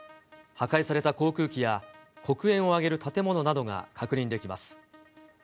破壊された航空機や黒煙を上げる建物などが確認できます。